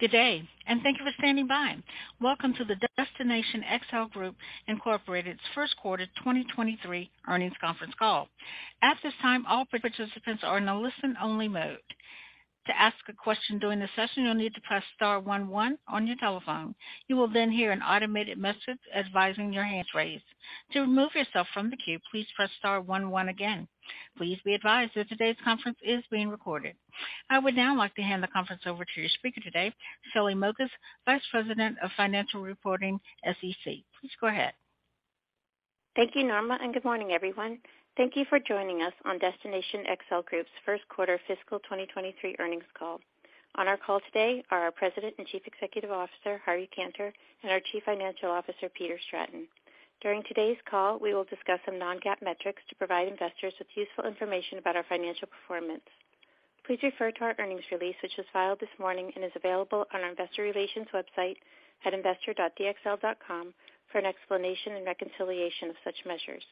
Good day, and thank you for standing by. Welcome to the Destination XL Group, Inc.'s first quarter 2023 earnings conference call. At this time, all participants are in a listen-only mode. To ask a question during the session, you'll need to press star one one on your telephone. You will then hear an automated message advising your hand is raised. To remove yourself from the queue, please press star one one again. Please be advised that today's conference is being recorded. I would now like to hand the conference over to your speaker today, Shelly Mokas, Vice President of Financial Reporting, SEC. Please go ahead. Thank you, Norma, good morning, everyone. Thank you for joining us on Destination XL Group's first quarter fiscal 2023 earnings call. On our call today are our President and Chief Executive Officer, Harvey Kanter, our Chief Financial Officer, Peter Stratton. During today's call, we will discuss some non-GAAP metrics to provide investors with useful information about our financial performance. Please refer to our earnings release, which was filed this morning and is available on our investor relations website at investor.dxl.com for an explanation and reconciliation of such measures.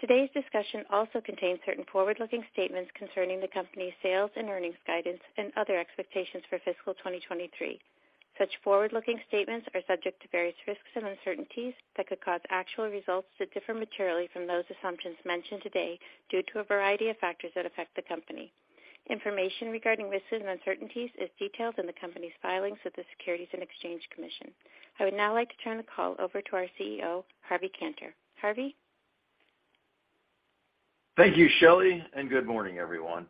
Today's discussion also contains certain forward-looking statements concerning the company's sales and earnings guidance and other expectations for fiscal 2023. Such forward-looking statements are subject to various risks and uncertainties that could cause actual results to differ materially from those assumptions mentioned today due to a variety of factors that affect the company. Information regarding risks and uncertainties is detailed in the company's filings with the Securities and Exchange Commission. I would now like to turn the call over to our CEO, Harvey Kanter. Harvey? Thank you, Shelley, Good morning, everyone.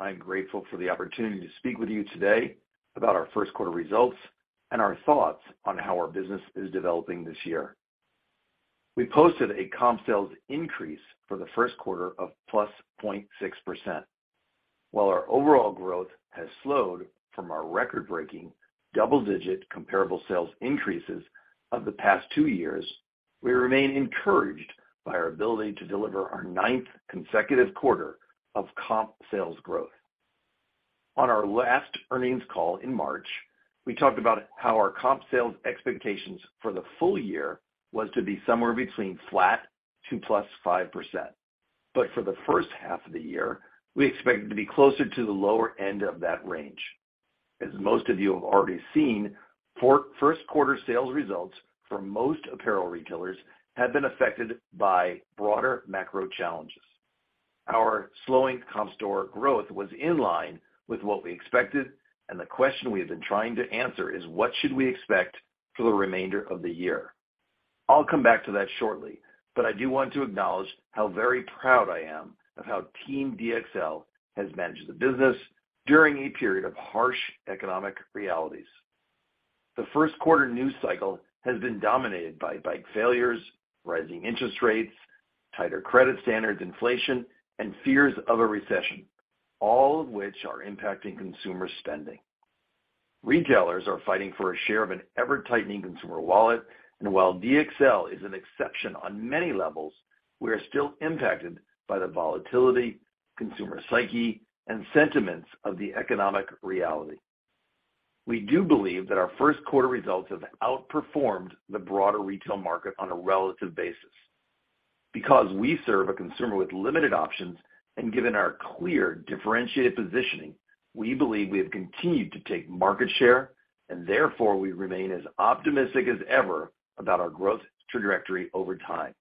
I'm grateful for the opportunity to speak with you today about our first quarter results and our thoughts on how our business is developing this year. We posted a comp sales increase for the first quarter of +0.6%. While our overall growth has slowed from our record-breaking double-digit comparable sales increases of the past two years, we remain encouraged by our ability to deliver our ninth consecutive quarter of comp sales growth. On our last earnings call in March, we talked about how our comp sales expectations for the full year was to be somewhere between flat to +5%. For the first half of the year, we expected to be closer to the lower end of that range. As most of you have already seen, first quarter sales results for most apparel retailers have been affected by broader macro challenges. The question we have been trying to answer is: What should we expect for the remainder of the year? I'll come back to that shortly, I do want to acknowledge how very proud I am of how Team DXL has managed the business during a period of harsh economic realities. The first quarter news cycle has been dominated by bank failures, rising interest rates, tighter credit standards, inflation, and fears of a recession, all of which are impacting consumer spending. Retailers are fighting for a share of an ever-tightening consumer wallet. While DXL is an exception on many levels, we are still impacted by the volatility, consumer psyche, and sentiments of the economic reality. We do believe that our first quarter results have outperformed the broader retail market on a relative basis. Because we serve a consumer with limited options and given our clear differentiated positioning, we believe we have continued to take market share, and therefore, we remain as optimistic as ever about our growth trajectory over time.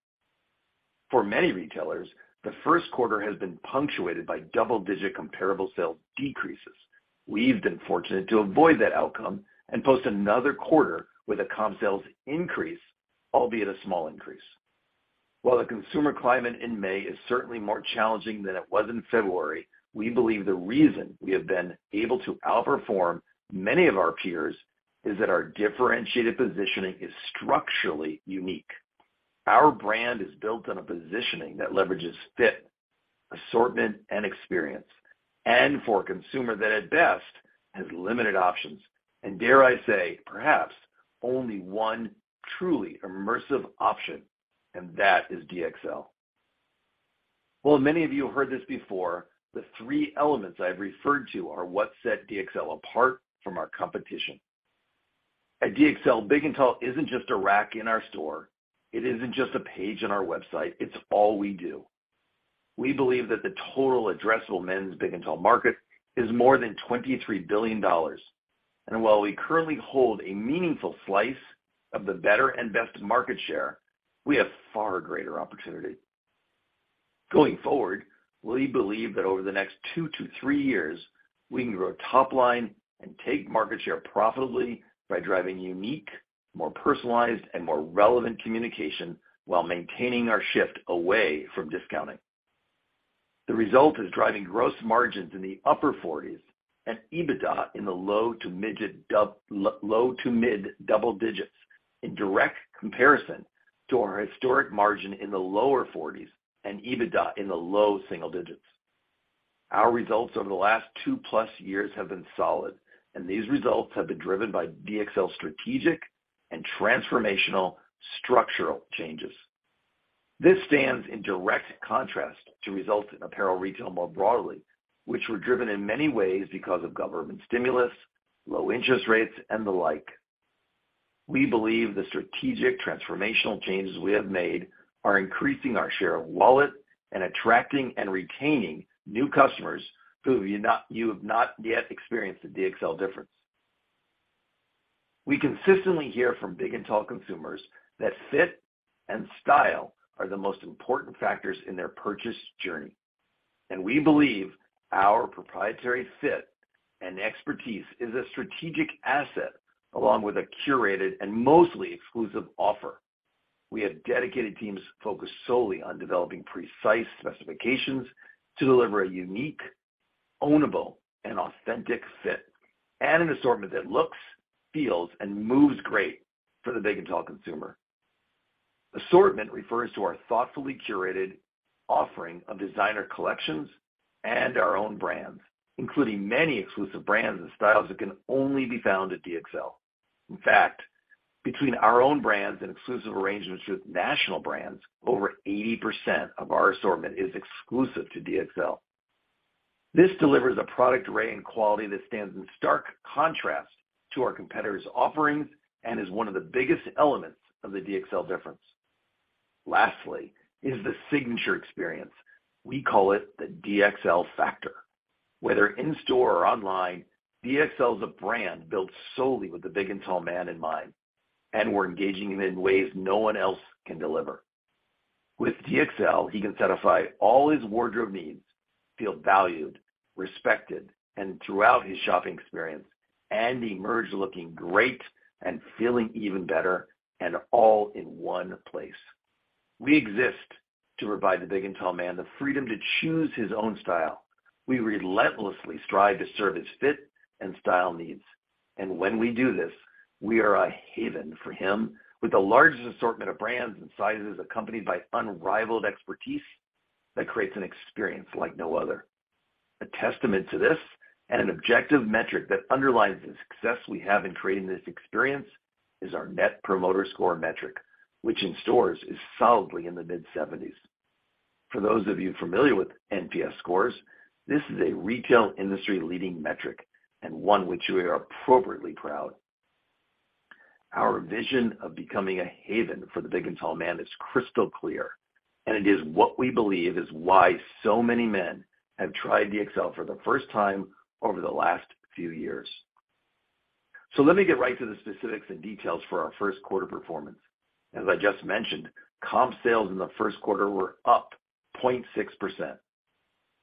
For many retailers, the first quarter has been punctuated by double-digit comparable sales decreases. We've been fortunate to avoid that outcome and post another quarter with a comp sales increase, albeit a small increase. While the consumer climate in May is certainly more challenging than it was in February, we believe the reason we have been able to outperform many of our peers is that our differentiated positioning is structurally unique. Our brand is built on a positioning that leverages fit, assortment, and experience, and for a consumer that, at best, has limited options, and dare I say, perhaps only one truly immersive option, and that is DXL. While many of you have heard this before, the three elements I've referred to are what set DXL apart from our competition. At DXL, big and tall isn't just a rack in our store. It isn't just a page on our website. It's all we do. We believe that the total addressable men's big and tall market is more than $23 billion, while we currently hold a meaningful slice of the better and best market share, we have far greater opportunity. Going forward, we believe that over the next two to three years, we can grow top line and take market share profitably by driving unique, more personalized, and more relevant communication while maintaining our shift away from discounting. The result is driving gross margins in the upper forties and EBITDA in the low to mid double digits, in direct comparison to our historic margin in the lower forties and EBITDA in the low single digits. Our results over the last 2+ years have been solid, these results have been driven by DXL's strategic and transformational structural changes. This stands in direct contrast to results in apparel retail more broadly, which were driven in many ways because of government stimulus, low interest rates, and the like. We believe the strategic transformational changes we have made are increasing our share of wallet and attracting and retaining new customers who have not yet experienced the DXL difference. We consistently hear from big and tall consumers that fit and style are the most important factors in their purchase journey. We believe our proprietary fit and expertise is a strategic asset, along with a curated and mostly exclusive offer. We have dedicated teams focused solely on developing precise specifications to deliver a unique, ownable, and authentic fit, and an assortment that looks, feels, and moves great for the big and tall consumer. Assortment refers to our thoughtfully curated offering of designer collections and our own brands, including many exclusive brands and styles that can only be found at DXL. In fact, between our own brands and exclusive arrangements with national brands, over 80% of our assortment is exclusive to DXL. This delivers a product array and quality that stands in stark contrast to our competitors' offerings and is one of the biggest elements of the DXL difference. Lastly, is the signature experience. We call it The DXL Factor. Whether in store or online, DXL is a brand built solely with the big and tall man in mind, and we're engaging him in ways no one else can deliver. With DXL, he can satisfy all his wardrobe needs, feel valued, respected, and throughout his shopping experience, and emerge looking great and feeling even better, and all in one place. We exist to provide the big and tall man the freedom to choose his own style. We relentlessly strive to serve his fit and style needs. When we do this, we are a haven for him, with the largest assortment of brands and sizes, accompanied by unrivaled expertise that creates an experience like no other. A testament to this, and an objective metric that underlies the success we have in creating this experience, is our Net Promoter Score metric, which in stores is solidly in the mid-seventies. For those of you familiar with NPS scores, this is a retail industry-leading metric and one which we are appropriately proud. Our vision of becoming a haven for the big and tall man is crystal clear, and it is what we believe is why so many men have tried DXL for the first time over the last few years. Let me get right to the specifics and details for our first quarter performance. As I just mentioned, comp sales in the first quarter were up 0.6%.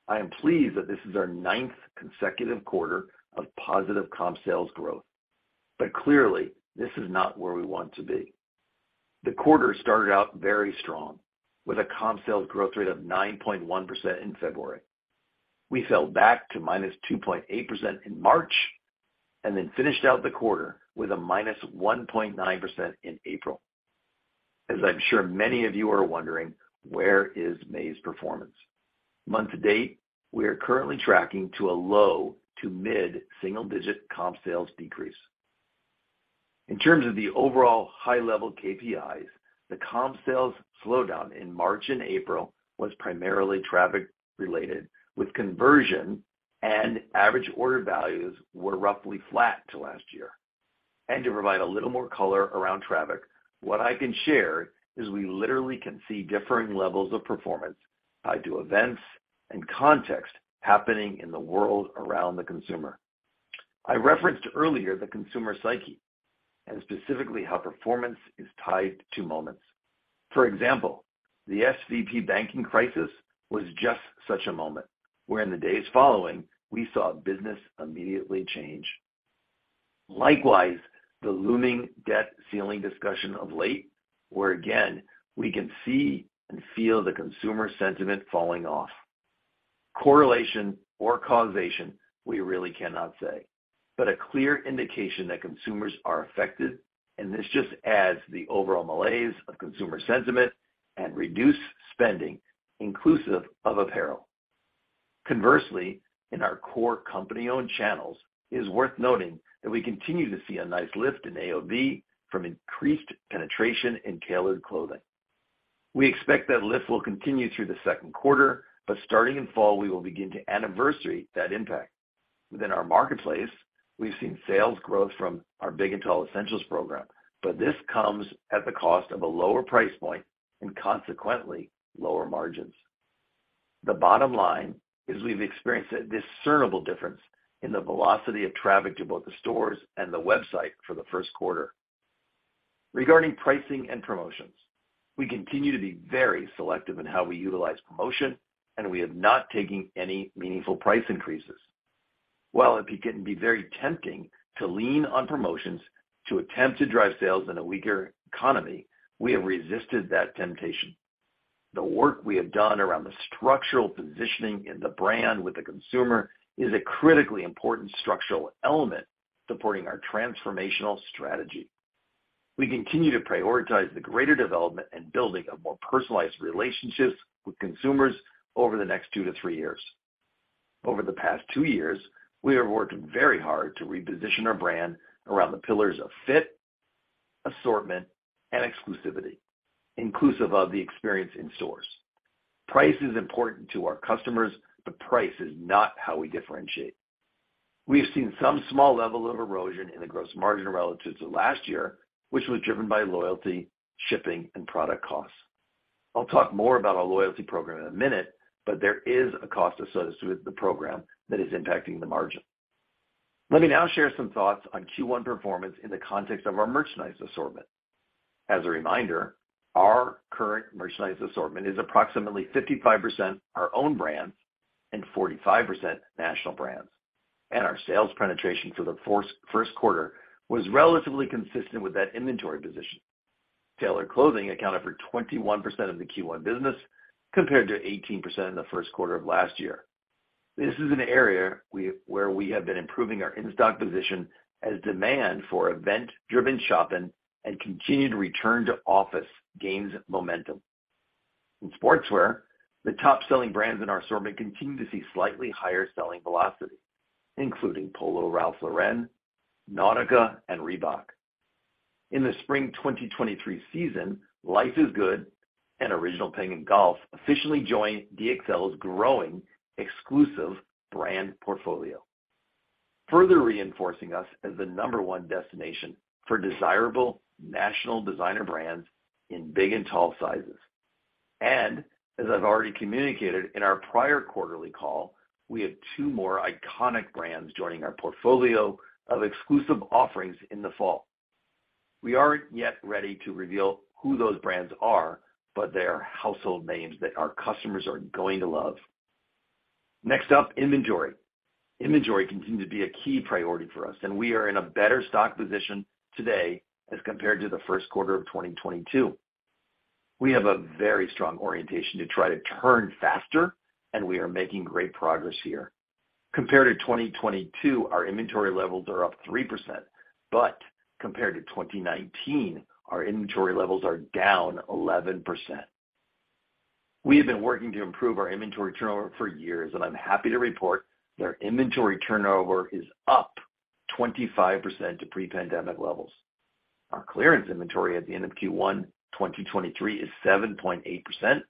I am pleased that this is our 9th consecutive quarter of positive comp sales growth. Clearly, this is not where we want to be. The quarter started out very strong, with a comp sales growth rate of 9.1% in February. We fell back to -2.8% in March, and then finished out the quarter with a -1.9% in April. As I'm sure many of you are wondering, where is May's performance? Month to date, we are currently tracking to a low to mid single-digit comp sales decrease. In terms of the overall high-level KPIs, the comp sales slowdown in March and April was primarily traffic related, with conversion and average order values were roughly flat to last year. To provide a little more color around traffic, what I can share is we literally can see differing levels of performance tied to events and context happening in the world around the consumer. I referenced earlier the consumer psyche, and specifically how performance is tied to moments. For example, the SVB banking crisis was just such a moment, where in the days following, we saw business immediately change. Likewise, the looming debt ceiling discussion of late, where again, we can see and feel the consumer sentiment falling off. Correlation or causation, we really cannot say, but a clear indication that consumers are affected, and this just adds to the overall malaise of consumer sentiment and reduced spending, inclusive of apparel. Conversely, in our core company-owned channels, it is worth noting that we continue to see a nice lift in AOV from increased penetration in tailored clothing. We expect that lift will continue through the second quarter, but starting in fall, we will begin to anniversary that impact. Within our marketplace, we've seen sales growth from our Big & Tall Essentials program, but this comes at the cost of a lower price point and consequently, lower margins. The bottom line is we've experienced a discernible difference in the velocity of traffic to both the stores and the website for the first quarter. Regarding pricing and promotions, we continue to be very selective in how we utilize promotion, and we have not taken any meaningful price increases. While it can be very tempting to lean on promotions to attempt to drive sales in a weaker economy, we have resisted that temptation. The work we have done around the structural positioning in the brand with the consumer is a critically important structural element supporting our transformational strategy. We continue to prioritize the greater development and building of more personalized relationships with consumers over the next 2 to 3 years. Over the past 2 years, we have worked very hard to reposition our brand around the pillars of fit, assortment, and exclusivity, inclusive of the experience in stores. Price is important to our customers. Price is not how we differentiate. We've seen some small level of erosion in the gross margin relative to last year, which was driven by loyalty, shipping, and product costs. I'll talk more about our loyalty program in a minute, but there is a cost associated with the program that is impacting the margin. Let me now share some thoughts on Q1 performance in the context of our merchandise assortment. As a reminder, our current merchandise assortment is approximately 55% our own brands and 45% national brands. Our sales penetration for the first quarter was relatively consistent with that inventory position. Tailored clothing accounted for 21% of the Q1 business, compared to 18% in the first quarter of last year. This is an area where we have been improving our in-stock position as demand for event-driven shopping and continued return to office gains momentum. In sportswear, the top-selling brands in our assortment continue to see slightly higher selling velocity, including Polo Ralph Lauren, Nautica, and Reebok. In the spring 2023 season, Life is Good and Original Penguin Golf officially joined DXL's growing exclusive brand portfolio, further reinforcing us as the number one destination for desirable national designer brands in big and tall sizes. As I've already communicated in our prior quarterly call, we have two more iconic brands joining our portfolio of exclusive offerings in the fall. We aren't yet ready to reveal who those brands are, but they are household names that our customers are going to love. Next up, inventory. Inventory continues to be a key priority for us, and we are in a better stock position today as compared to the first quarter of 2022. We have a very strong orientation to try to turn faster, and we are making great progress here. Compared to 2022, our inventory levels are up 3%, but compared to 2019, our inventory levels are down 11%. We have been working to improve our inventory turnover for years, and I'm happy to report that our inventory turnover is up 25% to pre-pandemic levels. Our clearance inventory at the end of Q1 2023 is 7.8%,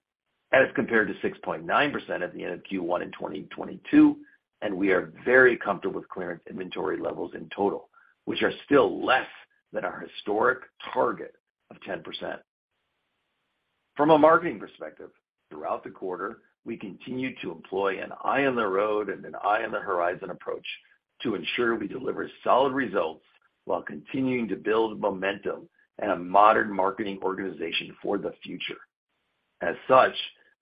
as compared to 6.9% at the end of Q1 in 2022, and we are very comfortable with clearance inventory levels in total, which are still less than our historic target of 10%. From a marketing perspective, throughout the quarter, we continued to employ an eye on the road and an eye on the horizon approach to ensure we deliver solid results while continuing to build momentum and a modern marketing organization for the future. As such,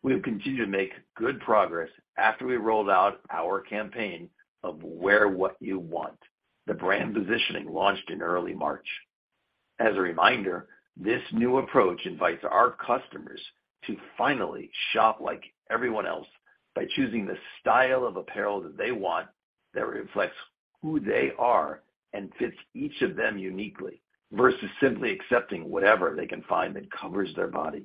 we have continued to make good progress after we rolled out our campaign of Wear What You Want, the brand positioning launched in early March. As a reminder, this new approach invites our customers to finally shop like everyone else by choosing the style of apparel that they want, that reflects who they are, and fits each of them uniquely, versus simply accepting whatever they can find that covers their body.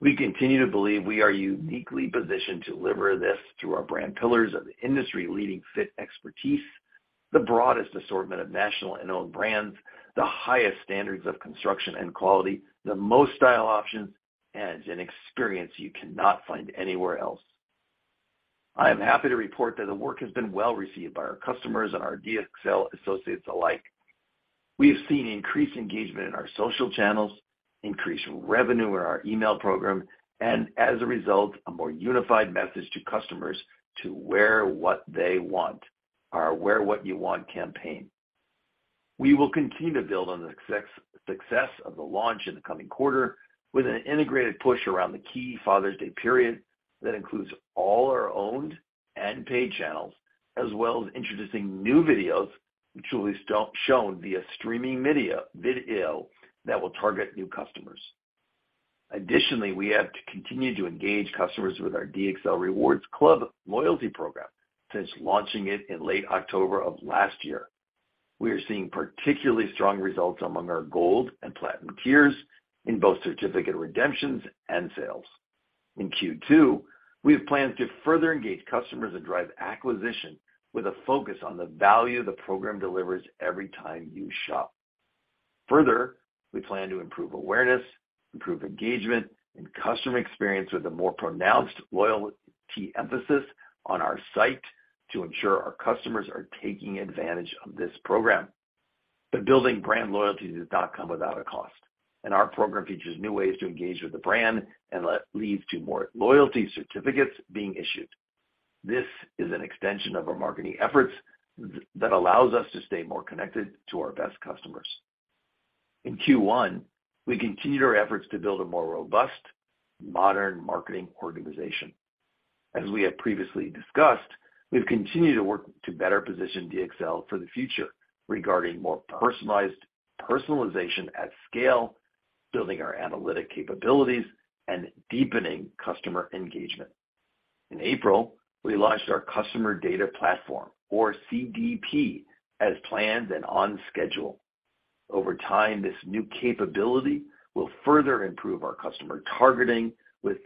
We continue to believe we are uniquely positioned to deliver this through our brand pillars of industry-leading fit expertise, the broadest assortment of national and owned brands, the highest standards of construction and quality, the most style options, and an experience you cannot find anywhere else. I am happy to report that the work has been well received by our customers and our DXL associates alike. We have seen increased engagement in our social channels, increased revenue in our email program, and as a result, a more unified message to customers to wear what they want, our Wear What You Want campaign. We will continue to build on the success of the launch in the coming quarter with an integrated push around the key Father's Day period that includes all our owned and paid channels, as well as introducing new videos, which will be shown via streaming media, video that will target new customers. Additionally, we have to continue to engage customers with our DXL Rewards Club loyalty program since launching it in late October of last year. We are seeing particularly strong results among our gold and platinum tiers in both certificate redemptions and sales. In Q2, we have plans to further engage customers and drive acquisition with a focus on the value the program delivers every time you shop. Further, we plan to improve awareness, improve engagement, and customer experience with a more pronounced loyalty emphasis on our site to ensure our customers are taking advantage of this program. Building brand loyalty does not come without a cost, and our program features new ways to engage with the brand and leads to more loyalty certificates being issued. This is an extension of our marketing efforts that allows us to stay more connected to our best customers. In Q1, we continued our efforts to build a more robust, modern marketing organization. As we have previously discussed, we've continued to work to better position DXL for the future regarding more personalization at scale, building our analytic capabilities, and deepening customer engagement. In April, we launched our customer data platform, or CDP, as planned and on schedule. Over time, this new capability will further improve our customer targeting with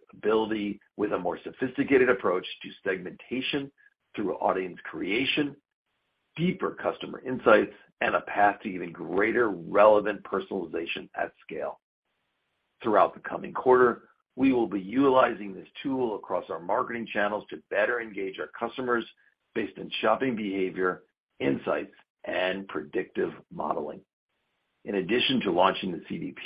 a more sophisticated approach to segmentation through audience creation. Deeper customer insights and a path to even greater relevant personalization at scale. Throughout the coming quarter, we will be utilizing this tool across our marketing channels to better engage our customers based on shopping behavior, insights, and predictive modeling. In addition to launching the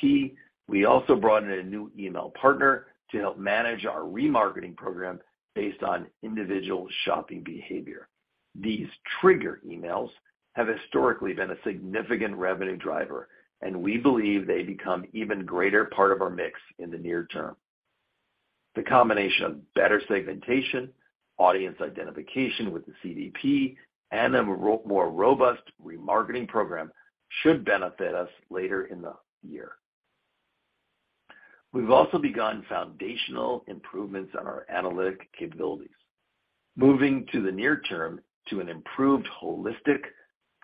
CDP, we also brought in a new email partner to help manage our remarketing program based on individual shopping behavior. These trigger emails have historically been a significant revenue driver, and we believe they become even greater part of our mix in the near term. The combination of better segmentation, audience identification with the CDP, and a more robust remarketing program should benefit us later in the year. We've also begun foundational improvements on our analytic capabilities. Moving to the near term to an improved, holistic,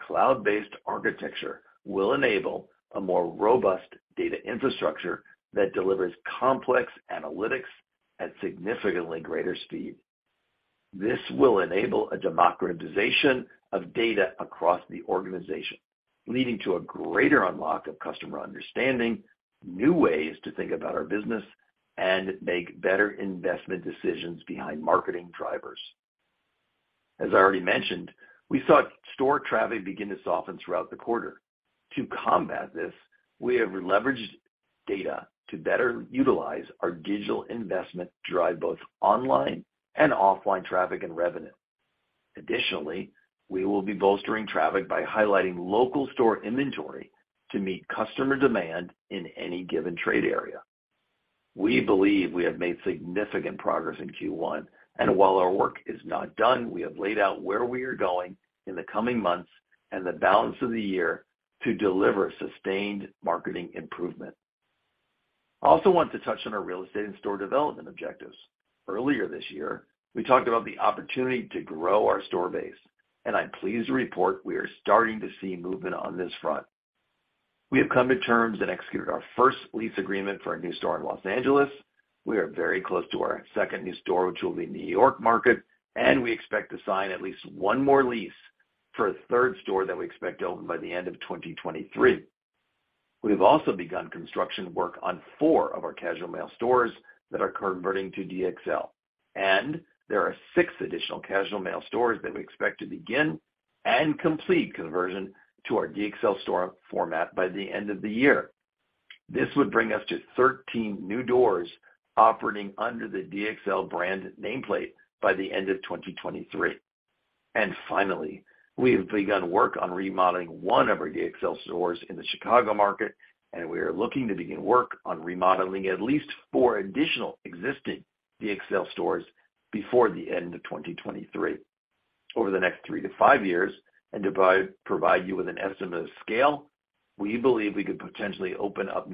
cloud-based architecture will enable a more robust data infrastructure that delivers complex analytics at significantly greater speed. This will enable a democratization of data across the organization, leading to a greater unlock of customer understanding, new ways to think about our business, and make better investment decisions behind marketing drivers. As I already mentioned, we saw store traffic begin to soften throughout the quarter. To combat this, we have leveraged data to better utilize our digital investment to drive both online and offline traffic and revenue. Additionally, we will be bolstering traffic by highlighting local store inventory to meet customer demand in any given trade area. We believe we have made significant progress in Q1, and while our work is not done, we have laid out where we are going in the coming months and the balance of the year to deliver sustained marketing improvement. I also want to touch on our real estate and store development objectives. Earlier this year, we talked about the opportunity to grow our store base. I'm pleased to report we are starting to see movement on this front. We have come to terms and executed our first lease agreement for a new store in Los Angeles. We are very close to our second new store, which will be in the New York market. We expect to sign at least one more lease for a third store that we expect to open by the end of 2023. We've also begun construction work on four of our Casual Male stores that are converting to DXL. There are six additional Casual Male stores that we expect to begin and complete conversion to our DXL store format by the end of the year. This would bring us to 13 new doors operating under the DXL brand nameplate by the end of 2023. Finally, we have begun work on remodeling one of our DXL stores in the Chicago market, and we are looking to begin work on remodeling at least four additional existing DXL stores before the end of 2023. Over the next 3-5 years, to provide you with an estimate of scale, we believe we could potentially open up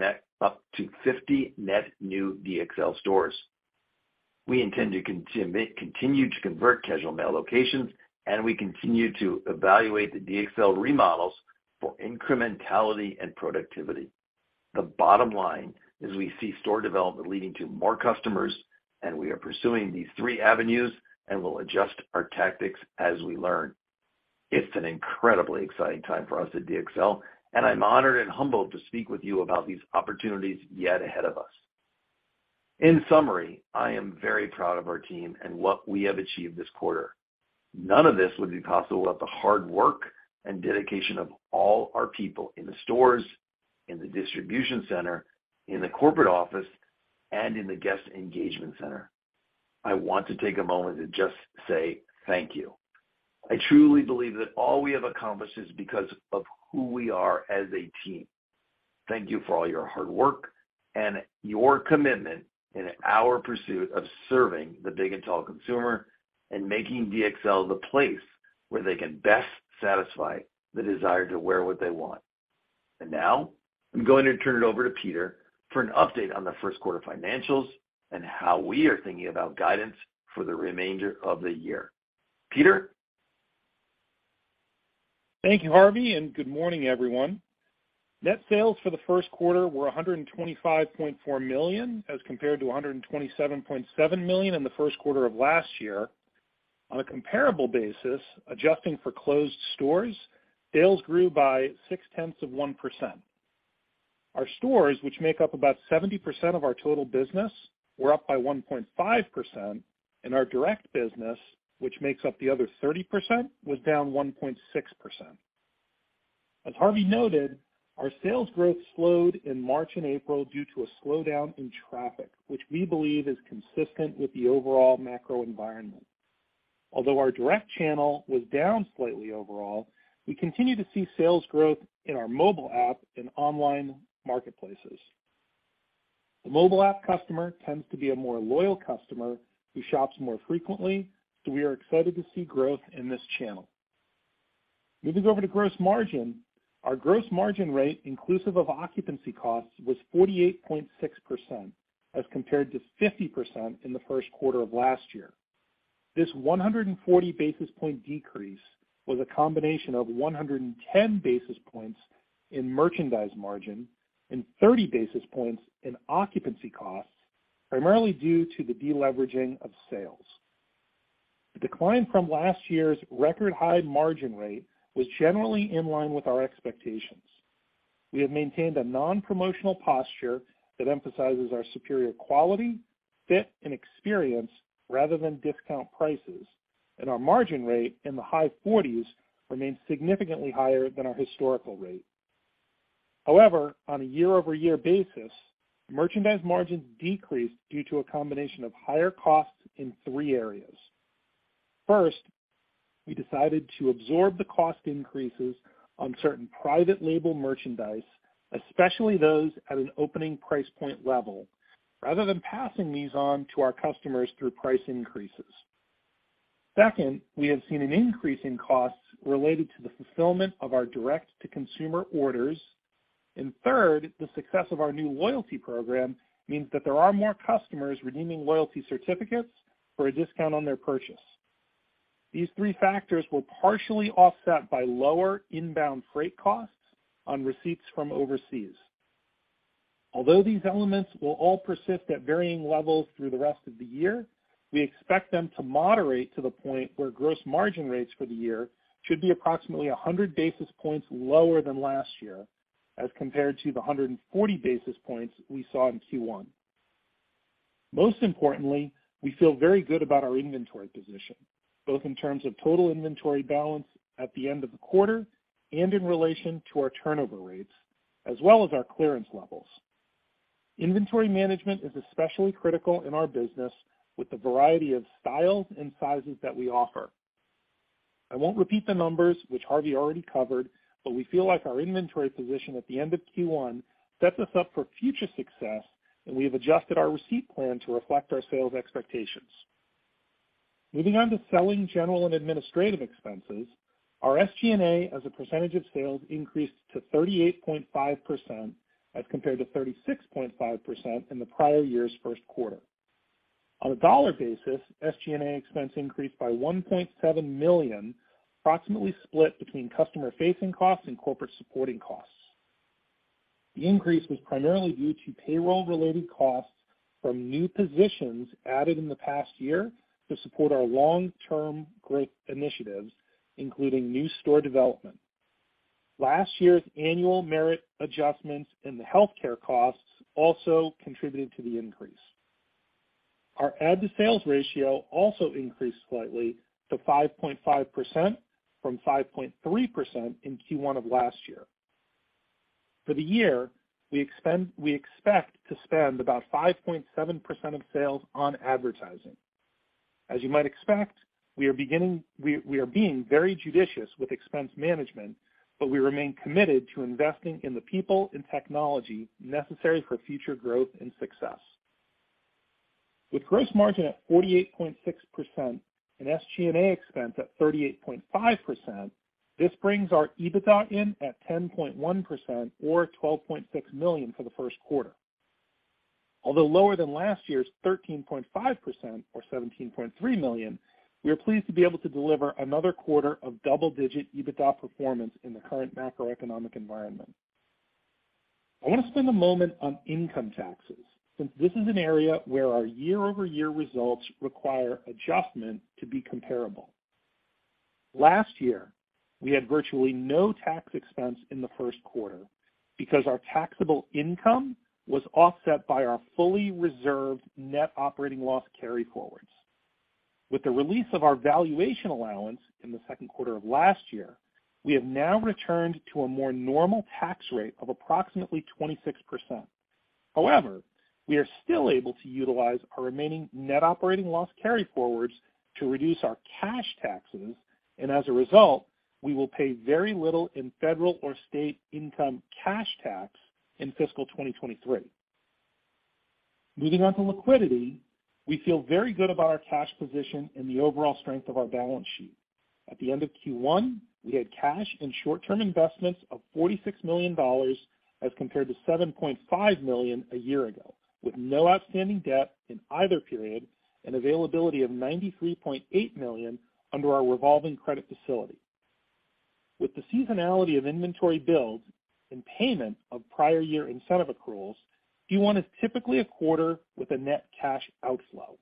to 50 net new DXL stores. We intend to continue to convert Casual Male XL locations, and we continue to evaluate the DXL remodels for incrementality and productivity. The bottom line is we see store development leading to more customers, and we are pursuing these three avenues and will adjust our tactics as we learn. It's an incredibly exciting time for us at DXL, and I'm honored and humbled to speak with you about these opportunities yet ahead of us. In summary, I am very proud of our team and what we have achieved this quarter. None of this would be possible without the hard work and dedication of all our people in the stores, in the distribution center, in the corporate office, and in the guest engagement center. I want to take a moment to just say thank you. I truly believe that all we have accomplished is because of who we are as a team. Thank you for all your hard work and your commitment in our pursuit of serving the big and tall consumer and making DXL the place where they can best satisfy the desire to Wear What You Want. Now, I'm going to turn it over to Peter for an update on the first quarter financials and how we are thinking about guidance for the remainder of the year. Peter? Thank you, Harvey. Good morning, everyone. Net sales for the first quarter were $125.4 million, as compared to $127.7 million in the first quarter of last year. On a comparable basis, adjusting for closed stores, sales grew by 0.6%. Our stores, which make up about 70% of our total business, were up by 1.5%, and our direct business, which makes up the other 30%, was down 1.6%. As Harvey noted, our sales growth slowed in March and April due to a slowdown in traffic, which we believe is consistent with the overall macro environment. Although our direct channel was down slightly overall, we continue to see sales growth in our mobile app and online marketplaces. The mobile app customer tends to be a more loyal customer who shops more frequently, so we are excited to see growth in this channel. Moving over to gross margin. Our gross margin rate, inclusive of occupancy costs, was 48.6%, as compared to 50% in the first quarter of last year. This 140 basis point decrease was a combination of 110 basis points in merchandise margin and 30 basis points in occupancy costs. Primarily due to the deleveraging of sales. The decline from last year's record high margin rate was generally in line with our expectations. We have maintained a non-promotional posture that emphasizes our superior quality, fit, and experience rather than discount prices, and our margin rate in the high forties remains significantly higher than our historical rate. However, on a year-over-year basis, merchandise margins decreased due to a combination of higher costs in three areas. First, we decided to absorb the cost increases on certain private label merchandise, especially those at an opening price point level, rather than passing these on to our customers through price increases. Second, we have seen an increase in costs related to the fulfillment of our direct-to-consumer orders. Third, the success of our new loyalty program means that there are more customers redeeming loyalty certificates for a discount on their purchase. These three factors were partially offset by lower inbound freight costs on receipts from overseas. Although these elements will all persist at varying levels through the rest of the year, we expect them to moderate to the point where gross margin rates for the year should be approximately 100 basis points lower than last year, as compared to the 140 basis points we saw in Q1. Most importantly, we feel very good about our inventory position, both in terms of total inventory balance at the end of the quarter and in relation to our turnover rates, as well as our clearance levels. Inventory management is especially critical in our business with the variety of styles and sizes that we offer. I won't repeat the numbers, which Harvey already covered, but we feel like our inventory position at the end of Q1 sets us up for future success, and we have adjusted our receipt plan to reflect our sales expectations. Moving on to selling, general, and administrative expenses, our SG&A as a percentage of sales increased to 38.5%, as compared to 36.5% in the prior year's first quarter. On a dollar basis, SG&A expense increased by $1.7 million, approximately split between customer-facing costs and corporate supporting costs. The increase was primarily due to payroll-related costs from new positions added in the past year to support our long-term growth initiatives, including new store development. Last year's annual merit adjustments and the healthcare costs also contributed to the increase. Our ad-to-sales ratio also increased slightly to 5.5% from 5.3% in Q1 of last year. For the year, we expect to spend about 5.7% of sales on advertising. As you might expect, we are being very judicious with expense management. We remain committed to investing in the people and technology necessary for future growth and success. With gross margin at 48.6% and SG&A expense at 38.5%, this brings our EBITDA in at 10.1% or $12.6 million for the first quarter. Although lower than last year's 13.5% or $17.3 million, we are pleased to be able to deliver another quarter of double-digit EBITDA performance in the current macroeconomic environment. I want to spend a moment on income taxes, since this is an area where our year-over-year results require adjustment to be comparable. Last year, we had virtually no tax expense in the first quarter because our taxable income was offset by our fully reserved net operating loss carryforwards. With the release of our valuation allowance in the second quarter of last year, we have now returned to a more normal tax rate of approximately 26%. We are still able to utilize our remaining net operating loss carryforwards to reduce our cash taxes, and as a result, we will pay very little in federal or state income cash tax in fiscal 2023. Moving on to liquidity, we feel very good about our cash position and the overall strength of our balance sheet. At the end of Q1, we had cash and short-term investments of $46 million, as compared to $7.5 million a year ago, with no outstanding debt in either period and availability of $93.8 million under our revolving credit facility. With the seasonality of inventory builds and payment of prior year incentive accruals, Q1 is typically a quarter with a net cash outflow.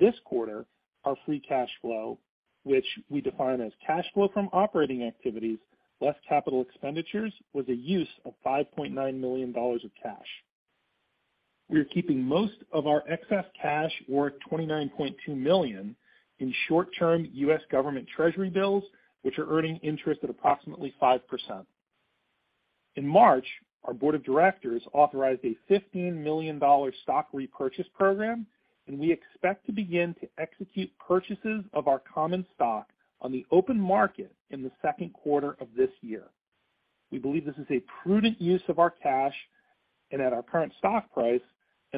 This quarter, our free cash flow, which we define as cash flow from operating activities, less capital expenditures, was a use of $5.9 million of cash. We are keeping most of our excess cash, or $29.2 million, in short-term U.S. government Treasury bills, which are earning interest at approximately 5%. In March, our board of directors authorized a $15 million stock repurchase program, and we expect to begin to execute purchases of our common stock on the open market in the second quarter of this year. We believe this is a prudent use of our cash and at our current stock price and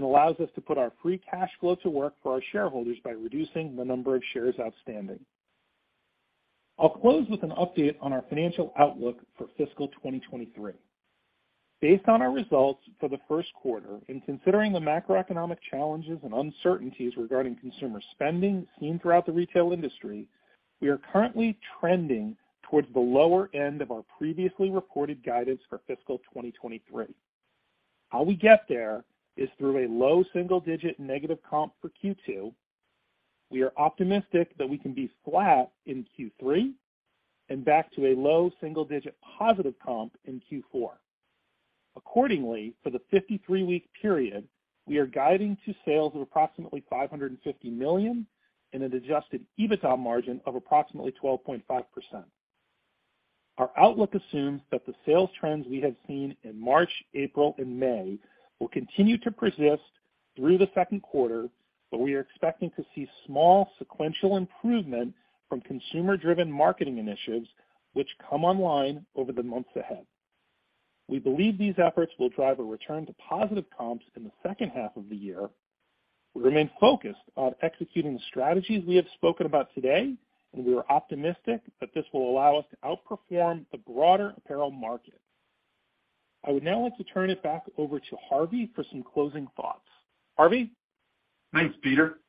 allows us to put our free cash flow to work for our shareholders by reducing the number of shares outstanding. I'll close with an update on our financial outlook for fiscal 2023. Based on our results for the first quarter and considering the macroeconomic challenges and uncertainties regarding consumer spending seen throughout the retail industry, We are currently trending towards the lower end of our previously reported guidance for fiscal 2023. How we get there is through a low single-digit negative comp for Q2. We are optimistic that we can be flat in Q3 and back to a low single-digit positive comp in Q4. Accordingly, for the 53-week period, we are guiding to sales of approximately $550 million and an adjusted EBITDA margin of approximately 12.5%. Our outlook assumes that the sales trends we have seen in March, April, and May will continue to persist through the second quarter, but we are expecting to see small sequential improvement from consumer-driven marketing initiatives, which come online over the months ahead. We believe these efforts will drive a return to positive comps in the second half of the year. We remain focused on executing the strategies we have spoken about today. We are optimistic that this will allow us to outperform the broader apparel market. I would now like to turn it back over to Harvey for some closing thoughts. Harvey? Thanks, Peter.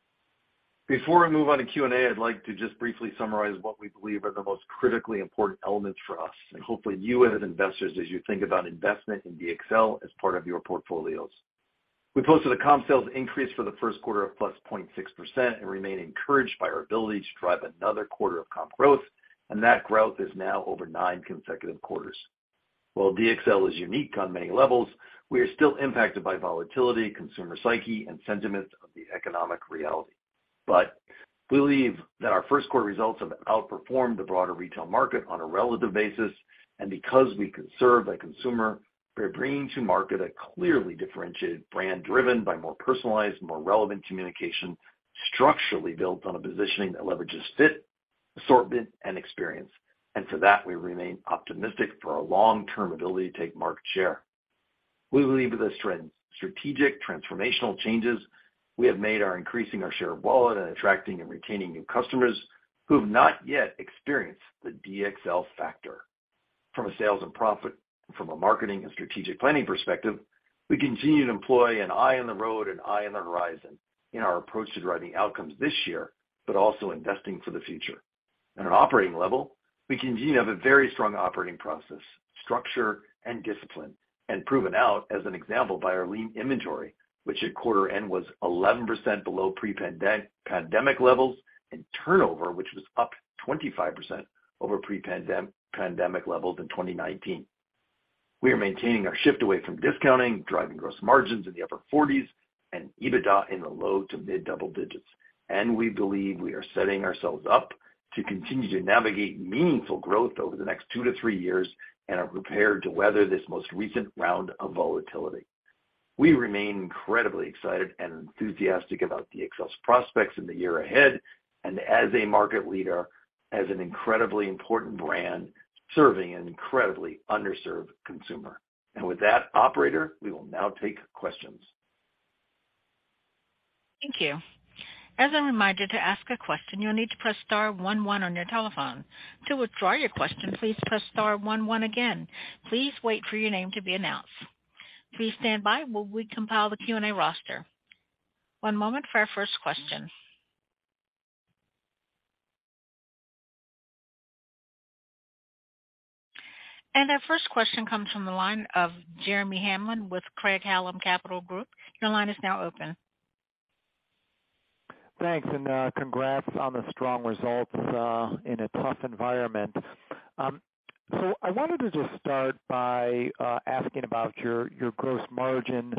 Before I move on to Q&A, I'd like to just briefly summarize what we believe are the most critically important elements for us, and hopefully you as investors, as you think about investment in DXL as part of your portfolios. We posted a comp sales increase for the first quarter of +0.6% and remain encouraged by our ability to drive another quarter of comp growth, and that growth is now over nine consecutive quarters. While DXL is unique on many levels, we are still impacted by volatility, consumer psyche, and sentiment of the economic reality. We believe that our first quarter results have outperformed the broader retail market on a relative basis, and because we conserve the consumer, we're bringing to market a clearly differentiated brand, driven by more personalized, more relevant communication, structurally built on a positioning that leverages fit, assortment, and experience. To that, we remain optimistic for our long-term ability to take market share. We believe that the strategic transformational changes we have made are increasing our share of wallet and attracting and retaining new customers who have not yet experienced The DXL Factor. From a sales and profit, from a marketing and strategic planning perspective, we continue to employ an eye on the road and eye on the horizon in our approach to driving outcomes this year, but also investing for the future. At an operating level, we continue to have a very strong operating process, structure, and discipline, and proven out as an example by our lean inventory, which at quarter end was 11% below pre-pandemic levels, and turnover, which was up 25% over pre-pandemic levels in 2019. We are maintaining our shift away from discounting, driving gross margins in the upper 40s% and EBITDA in the low-to-mid double digits%. We believe we are setting ourselves up to continue to navigate meaningful growth over the next 2-3 years and are prepared to weather this most recent round of volatility. We remain incredibly excited and enthusiastic about DXL's prospects in the year ahead, as a market leader, as an incredibly important brand, serving an incredibly underserved consumer. With that, operator, we will now take questions. Thank you. As a reminder, to ask a question, you'll need to press star 1 on your telephone. To withdraw your question, please press star 1 again. Please wait for your name to be announced. Please stand by while we compile the Q&A roster. 1 moment for our first question. Our first question comes from the line of Jeremy Hamblin with Craig-Hallum Capital Group. Your line is now open. Thanks, congrats on the strong results in a tough environment. So I wanted to just start by asking about your gross margin,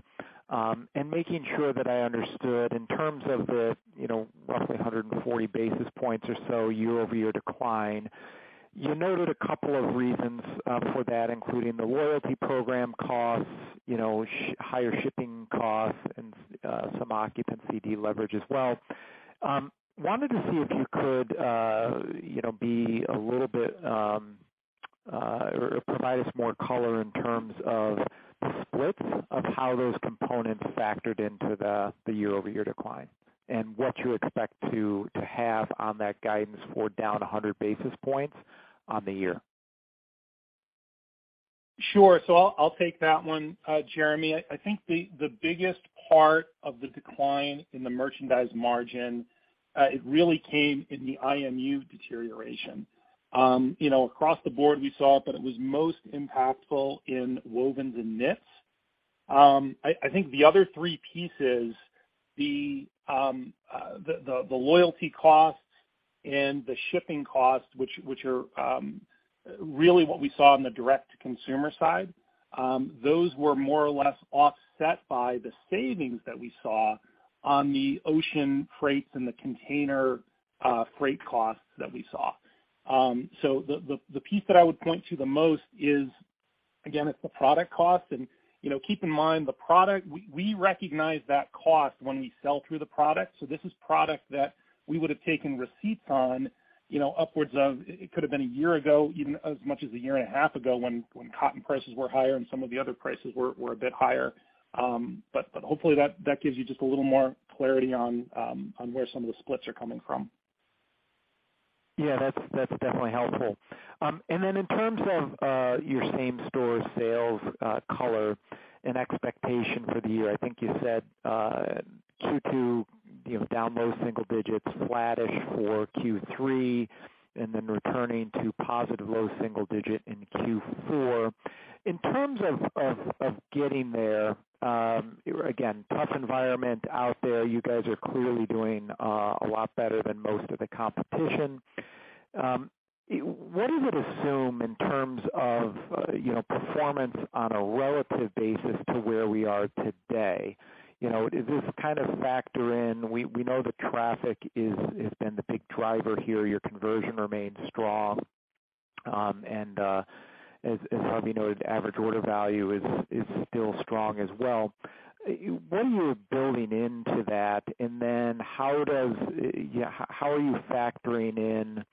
and making sure that I understood in terms of the, you know, roughly 140 basis points or so year-over-year decline. You noted a couple of reasons for that, including the loyalty program costs, you know, higher shipping costs and some occupancy deleverage as well. Wanted to see if you could, you know, be a little bit or provide us more color in terms of the splits of how those components factored into the year-over-year decline and what you expect to have on that guidance for down 100 basis points on the year. Sure. I'll take that one, Jeremy. I think the biggest part of the decline in the merchandise margin, it really came in the IMU deterioration. You know, across the board, we saw it, but it was most impactful in wovens and knits. I think the other three pieces, the loyalty costs and the shipping costs, which are really what we saw on the direct-to-consumer side, those were more or less offset by the savings that we saw on the ocean freights and the container freight costs that we saw. The piece that I would point to the most is, again, it's the product cost. You know, keep in mind, we recognize that cost when we sell through the product. This is product that we would have taken receipts on, you know, It could have been a year ago, even as much as a year and a half ago, when cotton prices were higher and some of the other prices were a bit higher. But hopefully that gives you just a little more clarity on where some of the splits are coming from. Yeah, that's definitely helpful. In terms of your same store sales color and expectation for the year, I think you said Q2, you know, down low single digits, flattish for Q3, and then returning to positive low single digit in Q4. In terms of getting there, again, tough environment out there. You guys are clearly doing a lot better than most of the competition. What does it assume in terms of, you know, performance on a relative basis to where we are today? You know, does this kind of factor in, we know the traffic is, has been the big driver here. Your conversion remains strong, and as Harvey noted, average order value is still strong as well. What are you building into that? How are you factoring in,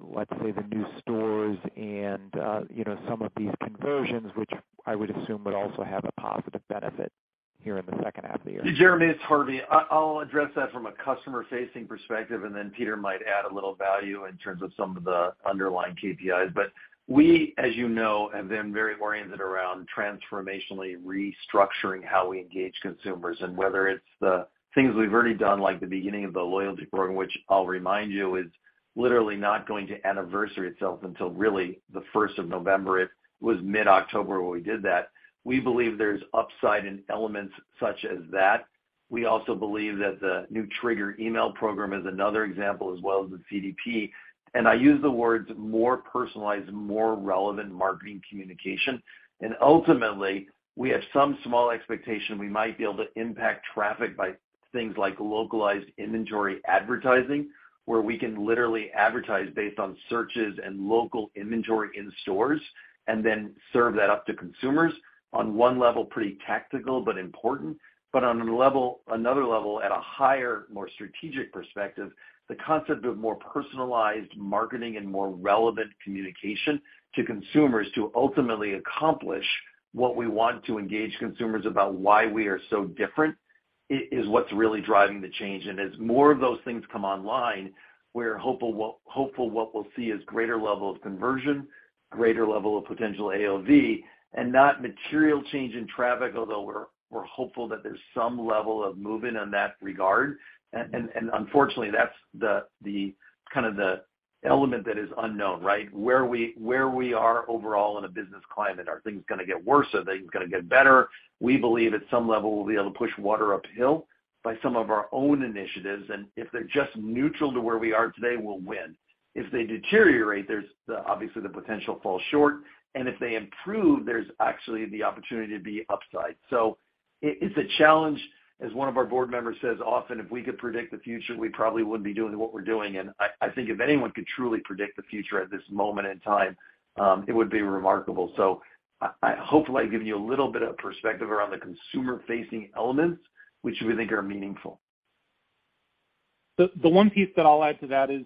let's say, the new stores and, you know, some of these conversions, which I would assume would also have a positive benefit here in the second half of the year? Jeremy, it's Harvey. I'll address that from a customer-facing perspective, and then Peter might add a little value in terms of some of the underlying KPIs. We, as you know, have been very oriented around transformationally restructuring how we engage consumers. Whether it's the things we've already done, like the beginning of the loyalty program, which I'll remind you, is literally not going to anniversary itself until really the first of November. It was mid-October when we did that. We believe there's upside in elements such as that. We also believe that the new trigger email program is another example, as well as the CDP. I use the words more personalized, more relevant marketing communication. Ultimately, we have some small expectation we might be able to impact traffic by things like localized inventory advertising, where we can literally advertise based on searches and local inventory in stores, and then serve that up to consumers. On one level, pretty tactical, but important. On another level, at a higher, more strategic perspective, the concept of more personalized marketing and more relevant communication to consumers to ultimately accomplish what we want to engage consumers about why we are so different, is what's really driving the change. As more of those things come online, we're hopeful what we'll see is greater level of conversion, greater level of potential AOV, and not material change in traffic, although we're hopeful that there's some level of movement in that regard. Unfortunately, that's the kind of the element that is unknown, right? Where we are overall in a business climate. Are things gonna get worse? Are things gonna get better? We believe at some level, we'll be able to push water uphill by some of our own initiatives, and if they're just neutral to where we are today, we'll win. If they deteriorate, there's the, obviously, the potential fall short, and if they improve, there's actually the opportunity to be upside. It's a challenge, as one of our board members says, "Often, if we could predict the future, we probably wouldn't be doing what we're doing." I think if anyone could truly predict the future at this moment in time, it would be remarkable. Hopefully, I give you a little bit of perspective around the consumer-facing elements, which we think are meaningful. The one piece that I'll add to that is,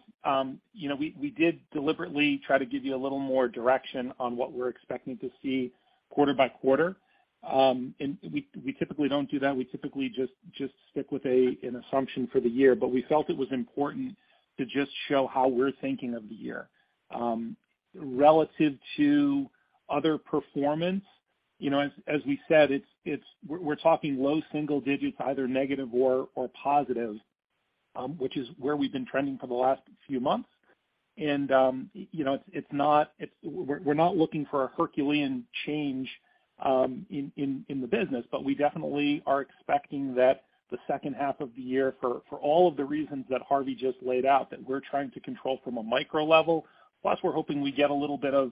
you know, we did deliberately try to give you a little more direction on what we're expecting to see quarter by quarter. We typically don't do that. We typically just stick with a an assumption for the year, but we felt it was important to just show how we're thinking of the year. Relative to other performance, you know, as we said, it's we're talking low single digits, either negative or positive, which is where we've been trending for the last few months. You know, we're not looking for a Herculean change in the business, but we definitely are expecting that the second half of the year, for all of the reasons that Harvey just laid out, that we're trying to control from a micro level, plus we're hoping we get a little bit of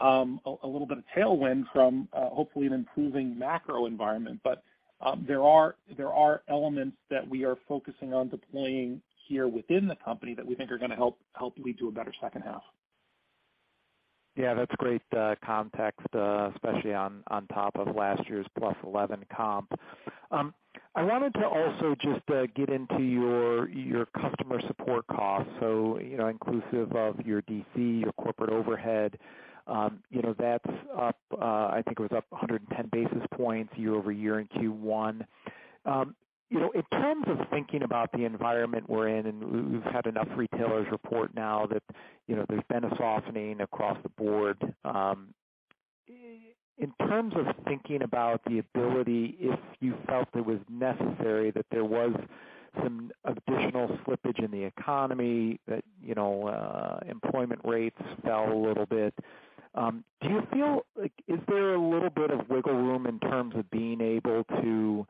tailwind from hopefully an improving macro environment. There are elements that we are focusing on deploying here within the company that we think are gonna help lead to a better second half. Yeah, that's great context, especially on top of last year's +11% comp. I wanted to also just get into your customer support costs. You know, inclusive of your D.C., your corporate overhead, you know, that's up, I think it was up 110 basis points year-over-year in Q1. You know, in terms of thinking about the environment we're in, and we've had enough retailers report now that, you know, there's been a softening across the board. In terms of thinking about the ability, if you felt it was necessary, that there was some additional slippage in the economy, that, you know, employment rates fell a little bit, do you feel, like, is there a little bit of wiggle room in terms of being able to,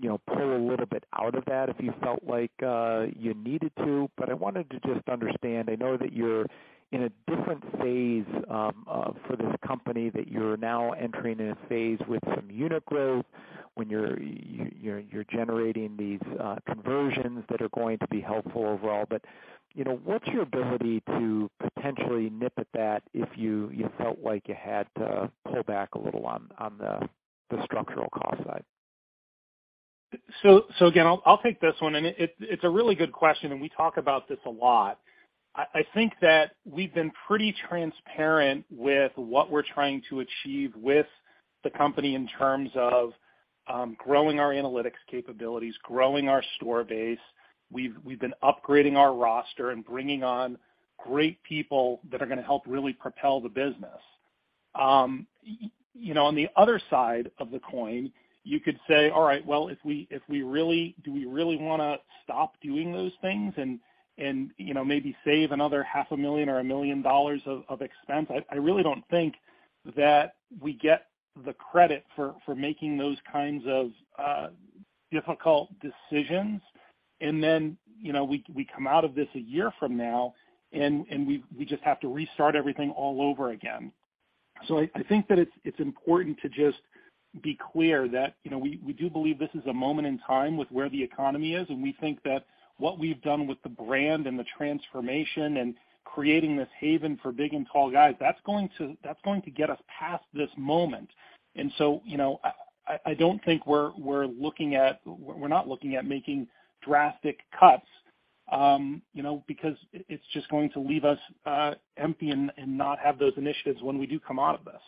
you know, pull a little bit out of that if you felt like you needed to? I wanted to just understand. I know that you're in a different phase for this company, that you're now entering in a phase with some unit growth, when you're generating these conversions that are going to be helpful overall. You know, what's your ability to potentially nip at that if you felt like you had to pull back a little on the structural cost side? Again, I'll take this one, it's a really good question, and we talk about this a lot. I think that we've been pretty transparent with what we're trying to achieve with the company in terms of growing our analytics capabilities, growing our store base. We've been upgrading our roster and bringing on great people that are gonna help really propel the business. You know, on the other side of the coin, you could say, all right, well, do we really wanna stop doing those things and, you know, maybe save another half a million or a million dollars of expense? I really don't think that we get the credit for making those kinds of difficult decisions. You know, we come out of this a year from now, and we just have to restart everything all over again. I think that it's important to just be clear that, you know, we do believe this is a moment in time with where the economy is, and we think that what we've done with the brand and the transformation and creating this haven for big and tall guys, that's going to, that's going to get us past this moment. You know, I don't think We're not looking at making drastic cuts, you know, because it's just going to leave us empty and not have those initiatives when we do come out of this.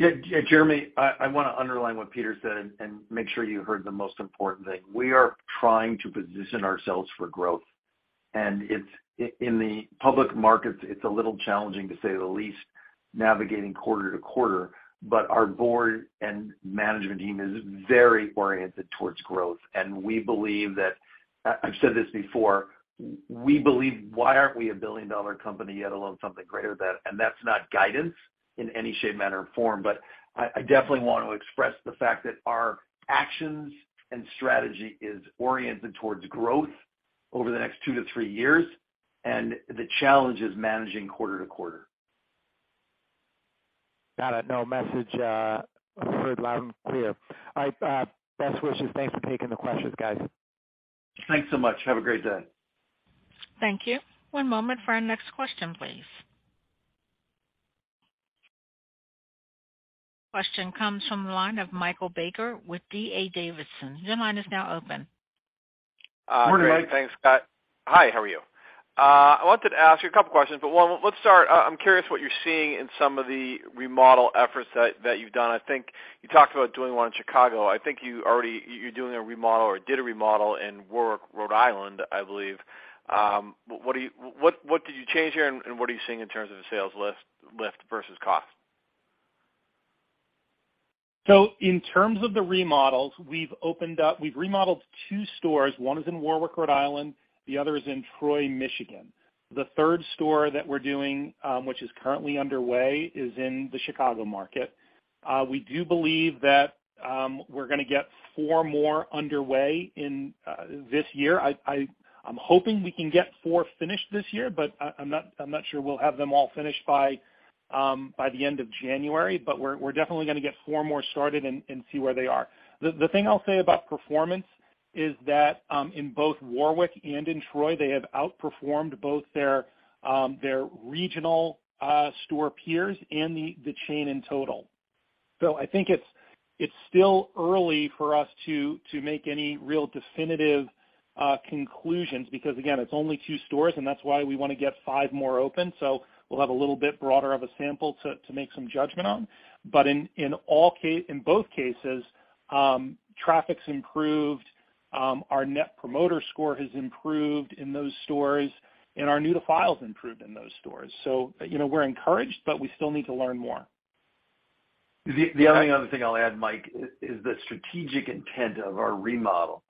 Yeah, Jeremy, I wanna underline what Peter said and make sure you heard the most important thing. We are trying to position ourselves for growth, it's in the public markets, it's a little challenging, to say the least, navigating quarter-to-quarter. Our board and management team is very oriented towards growth, and we believe that... I've said this before, we believe, why aren't we a billion-dollar company, let alone something greater than that? That's not guidance in any shape, manner, or form. I definitely want to express the fact that our actions and strategy is oriented towards growth over the next 2 to 3 years, the challenge is managing quarter-to-quarter. Got it. No message, heard loud and clear. All right, best wishes. Thanks for taking the questions, guys. Thanks so much. Have a great day. Thank you. One moment for our next question, please. Question comes from the line of Michael Baker with D.A. Davidson. Your line is now open. Good morning. Thanks, Scott. Hi, how are you? I wanted to ask you a couple questions, but one, let's start. I'm curious what you're seeing in some of the remodel efforts that you've done. I think you talked about doing one in Chicago. I think you already You're doing a remodel or did a remodel in Warwick, Rhode Island, I believe. What did you change there, and what are you seeing in terms of the sales lift versus cost? In terms of the remodels, we've remodeled two stores. One is in Warwick, Rhode Island, the other is in Troy, Michigan. The third store that we're doing, which is currently underway, is in the Chicago market. We do believe that we're gonna get four more underway in this year. I'm hoping we can get four finished this year, but I'm not sure we'll have them all finished by the end of January, but we're definitely gonna get four more started and see where they are. The thing I'll say about performance is that in both Warwick and in Troy, they have outperformed both their regional store peers and the chain in total. I think it's still early for us to make any real definitive conclusions because, again, it's only two stores, and that's why we wanna get five more open. We'll have a little bit broader of a sample to make some judgment on. In, in both cases, traffic's improved, our Net Promoter Score has improved in those stores, and our new-to-file's improved in those stores. You know, we're encouraged, but we still need to learn more. The only other thing I'll add, Mike, is the strategic intent of our remodel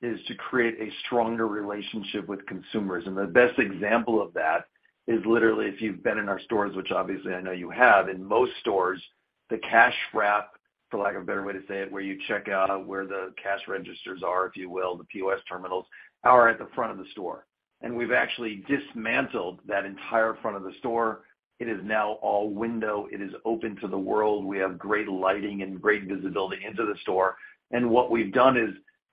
is to create a stronger relationship with consumers. The best example of that is literally, if you've been in our stores, which obviously I know you have, in most stores, the cash wrap, for lack of a better way to say it, where you check out, where the cash registers are, if you will, the POS terminals, are at the front of the store. We've actually dismantled that entire front of the store. It is now all window. It is open to the world. We have great lighting and great visibility into the store. What we've done is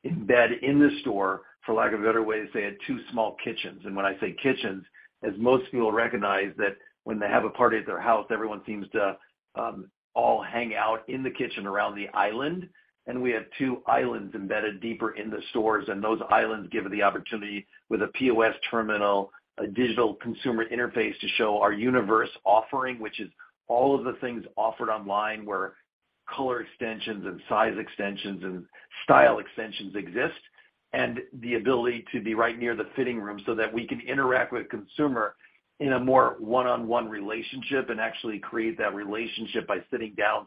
embed in the store, for lack of a better way to say it, two small kitchens. When I say kitchens, as most people recognize, that when they have a party at their house, everyone seems to all hang out in the kitchen around the island, and we have two islands embedded deeper in the stores. Those islands give the opportunity, with a POS terminal, a digital consumer interface, to show our universe offering, which is all of the things offered online, where color extensions and size extensions and style extensions exist, and the ability to be right near the fitting room so that we can interact with consumer in a more one-on-one relationship and actually create that relationship by sitting down.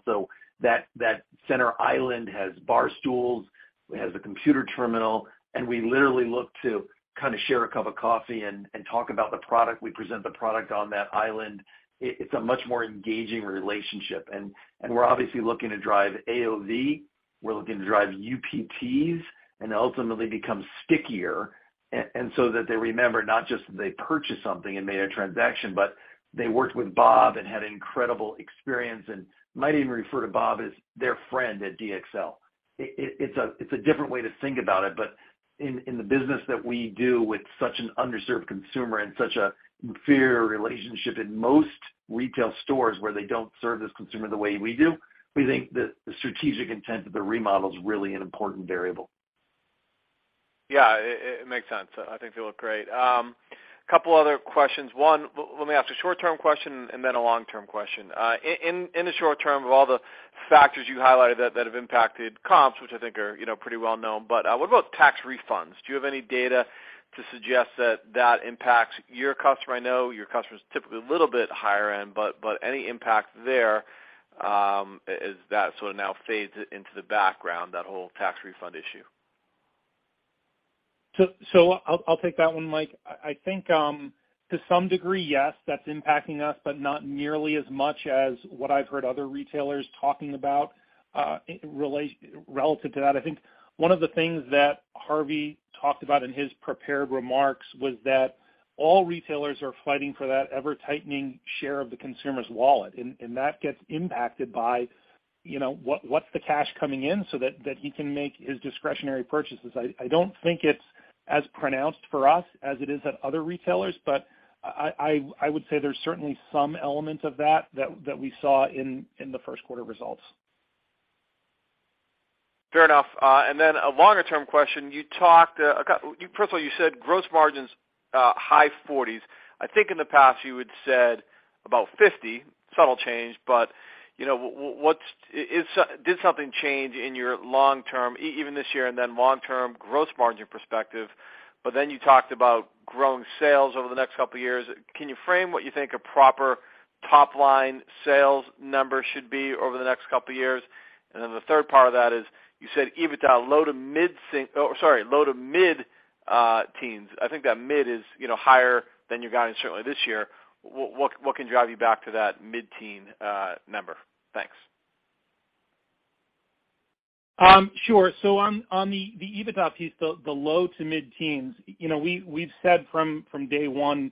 That center island has bar stools, it has a computer terminal, and we literally look to kind of share a cup of coffee and talk about the product. We present the product on that island. It's a much more engaging relationship. We're obviously looking to drive AOV. We're looking to drive UPTs and ultimately become stickier, so that they remember not just that they purchased something and made a transaction, but they worked with Bob and had an incredible experience and might even refer to Bob as their friend at DXL. It's a different way to think about it, but in the business that we do, with such an underserved consumer and such a fair relationship in most retail stores where they don't serve this consumer the way we do, we think the strategic intent of the remodel is really an important variable. It makes sense. I think they look great. Couple other questions. One, let me ask a short-term question and then a long-term question. In the short term, of all the factors you highlighted that have impacted comp sales, which I think are, you know, pretty well known, but what about tax refunds? Do you have any data to suggest that that impacts your customer? I know your customer is typically a little bit higher end, but any impact there, as that sort of now fades into the background, that whole tax refund issue? I'll take that one, Mike. I think, to some degree, yes, that's impacting us, but not nearly as much as what I've heard other retailers talking about, relative to that. I think one of the things that Harvey talked about in his prepared remarks was that all retailers are fighting for that ever-tightening share of the consumer's wallet, and that gets impacted by, you know, what's the cash coming in so that he can make his discretionary purchases. I don't think it's as pronounced for us as it is at other retailers, but I would say there's certainly some elements of that we saw in the first quarter results. Fair enough. A longer term question. You talked first of all, you said gross margins high forties. I think in the past you had said about 50%, subtle change, you know, what's? Did something change in your long term, even this year, long-term gross margin perspective? You talked about growing sales over the next couple of years. Can you frame what you think a proper top-line sales number should be over the next couple of years? The third part of that is, you said EBITDA low to mid-teens. Oh, sorry, low to mid-teens. I think that mid is, you know, higher than you've gotten certainly this year. What can drive you back to that mid-teen number? Thanks. Sure. On the EBITDA piece, the low to mid-teens, you know, we've said from day one,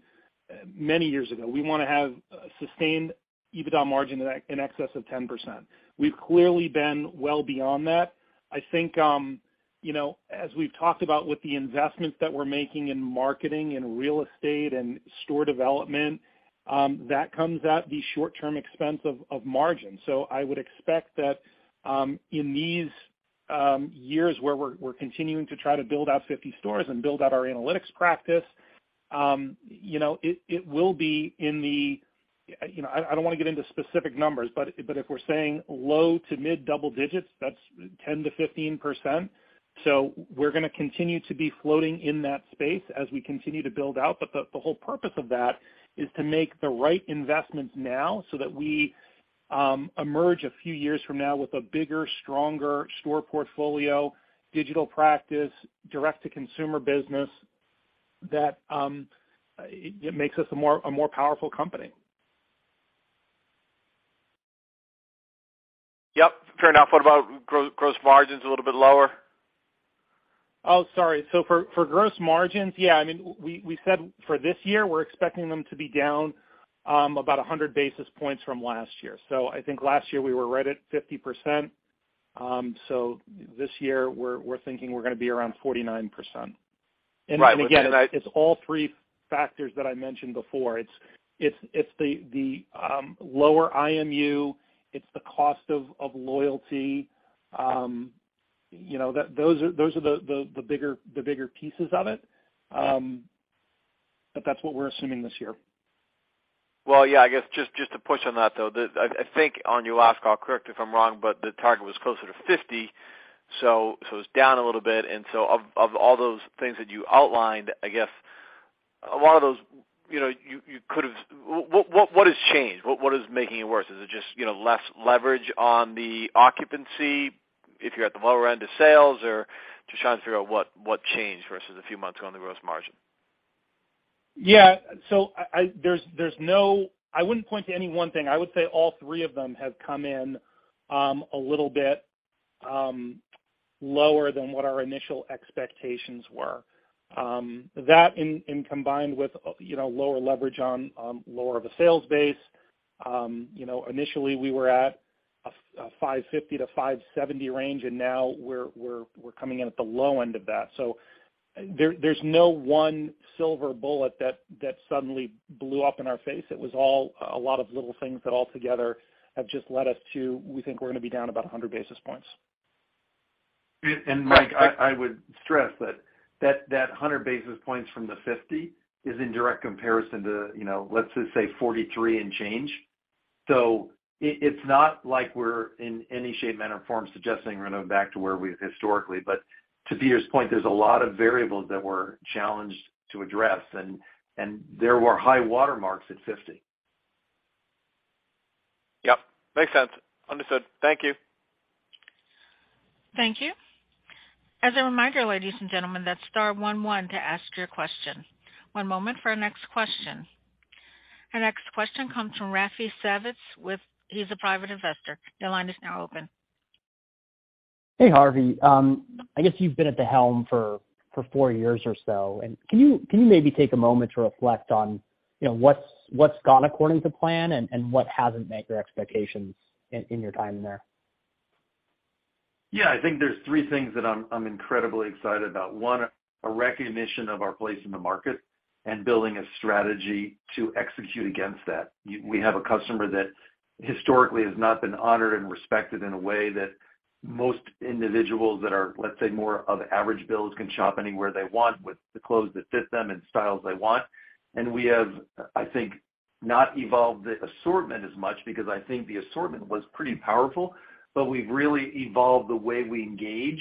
many years ago, we wanna have a sustained EBITDA margin in excess of 10%. We've clearly been well beyond that. I think, you know, as we've talked about with the investments that we're making in marketing and real estate and store development, that comes at the short-term expense of margin. I would expect that in these years where we're continuing to try to build out 50 stores and build out our analytics practice. I don't wanna get into specific numbers, but if we're saying low to mid double digits, that's 10%-15%. We're gonna continue to be floating in that space as we continue to build out. The whole purpose of that is to make the right investments now, so that we emerge a few years from now with a bigger, stronger store portfolio, digital practice, direct-to-consumer business, that it makes us a more powerful company. Yep, fair enough. What about gross margins a little bit lower? Oh, sorry. For gross margins, yeah, I mean, we said for this year, we're expecting them to be down about 100 basis points from last year. I think last year we were right at 50%. This year we're thinking we're gonna be around 49%. Right. Again, it's all 3 factors that I mentioned before. It's the lower IMU, it's the cost of loyalty. You know, that, those are the bigger pieces of it. That's what we're assuming this year. Well, yeah, I guess just to push on that, though. The, I think on your last call, correct me if I'm wrong, but the target was closer to 50%, so it's down a little bit. Of all those things that you outlined, I guess a lot of those, you know, you could've... What has changed? What is making it worse? Is it just, you know, less leverage on the occupancy if you're at the lower end of sales, or just trying to figure out what changed versus a few months ago on the gross margin? Yeah. I, I wouldn't point to any one thing. I would say all three of them have come in a little bit lower than what our initial expectations were. That and combined with, you know, lower leverage on lower of a sales base, you know, initially we were at a $550-$570 range, and now we're coming in at the low end of that. There's no one silver bullet that suddenly blew up in our face. It was all a lot of little things that altogether have just led us to, we think we're gonna be down about 100 basis points. Mike, I would stress that 100 basis points from the 50 is in direct comparison to, you know, let's just say 43 and change. It's not like we're in any shape, manner, or form suggesting we're going back to where we've historically. To Peter's point, there's a lot of variables that we're challenged to address, and there were high watermarks at 50. Yep, makes sense. Understood. Thank you. Thank you. As a reminder, ladies and gentlemen, that's star 1 1 to ask your question. One moment for our next question. Our next question comes from Rafi Savitz, he's a private investor. Your line is now open. Hey, Harvey. I guess you've been at the helm for four years or so. Can you maybe take a moment to reflect on, you know, what's gone according to plan and what hasn't met your expectations in your time there? Yeah, I think there's 3 things that I'm incredibly excited about. One, a recognition of our place in the market. Building a strategy to execute against that. We have a customer that historically has not been honored and respected in a way that most individuals that are, let's say, more of average builds, can shop anywhere they want with the clothes that fit them and styles they want. We have, I think, not evolved the assortment as much because I think the assortment was pretty powerful, but we've really evolved the way we engage